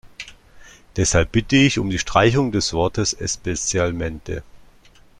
Deshalb bitte ich um die Streichung des Wortes "especialmente".